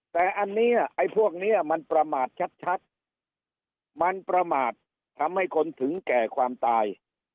แต่อันนี้ไอ้พวกนี้มันประมาทชัดมันประมาททำให้คนถึงแก่ความตาย